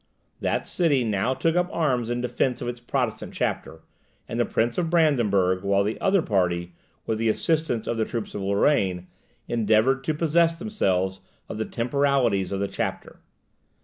That city now took up arms in defence of its Protestant chapter and the Prince of Brandenburg, while the other party, with the assistance of the troops of Lorraine, endeavoured to possess themselves of the temporalities of the chapter.